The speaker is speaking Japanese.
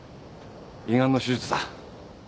胃ガンの手術だ。